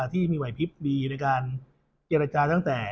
ที่มีวัยพิภรีในการยาลัจจาตั้งแต่